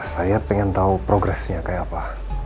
saya ingin tahu progresnya kayak apa